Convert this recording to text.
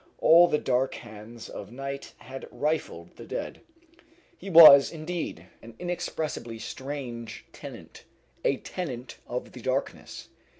All the dark hands of night had rifled the dead. He was, indeed, an inexpressibly strange tenant, a tenant of the darkness.